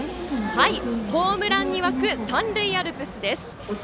ホームランに沸く三塁アルプスです。